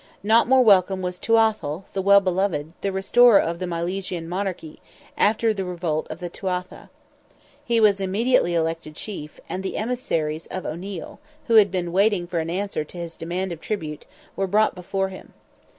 Not more welcome was Tuathal, the well beloved, the restorer of the Milesian monarchy, after the revolt of the Tuatha. He was immediately elected chief, and the emissaries of O'Neil, who had been waiting for an answer to his demand of tribute, were brought before him.